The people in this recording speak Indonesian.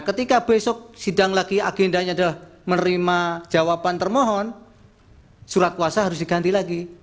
ketika besok sidang lagi agendanya adalah menerima jawaban termohon surat kuasa harus diganti lagi